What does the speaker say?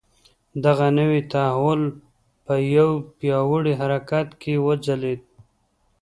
دغه نوی تحول په یوه پیاوړي حرکت کې وځلېد.